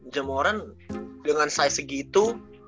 jamoran dengan size segitu